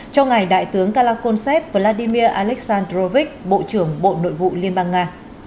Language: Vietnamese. cho ngài đại tướng kalakonsep vladimir aleksandrovich bộ trưởng bộ nội vụ liên bang nga